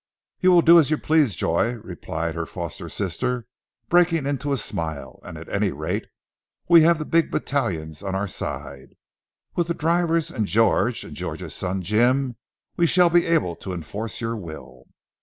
"You will do as you please, Joy," replied her foster sister, breaking into a smile, "and at any rate we have the big battalions on our side. With the drivers and George, and George's son, Jim, we shall be able to enforce your will."